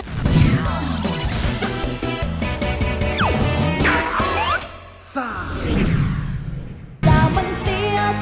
แต่มันเสียใจแต่มันเสียใจ